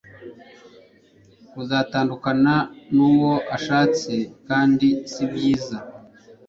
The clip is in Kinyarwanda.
kuzatandukana n'uwo ashatse, kandi sibyiza